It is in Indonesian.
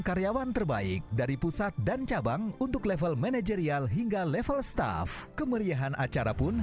karyawan terbaik dari pusat dan cabang untuk level manajerial hingga level staff kemeriahan acara pun